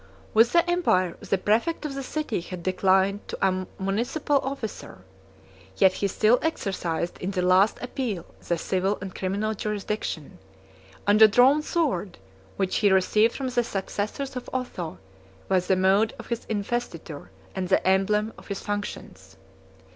With the empire, the præfect of the city had declined to a municipal officer; yet he still exercised in the last appeal the civil and criminal jurisdiction; and a drawn sword, which he received from the successors of Otho, was the mode of his investiture and the emblem of his functions.